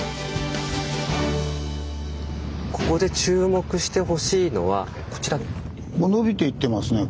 ここで注目してほしいのはこちら。